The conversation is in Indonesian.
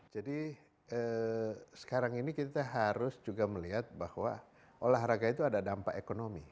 jadi sekarang ini kita harus juga melihat bahwa olahraga itu ada dampak ekonomi